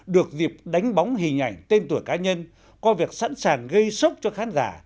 được dịp đánh bóng hình ảnh tên tuổi cá nhân qua việc sẵn sàng gây sốc cho khán giả